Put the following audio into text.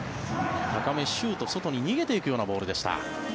高め、シュート外に逃げていくようなボール。